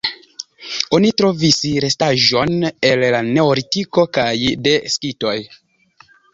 Oni trovis restaĵojn el la neolitiko kaj de skitoj.